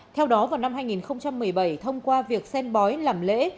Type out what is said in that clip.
theo đó vào năm hai nghìn một mươi bảy thông qua việc sen bói làm lễ